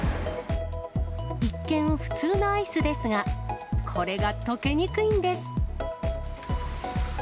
一見、普通のアイスですが、これが溶けにくいんです。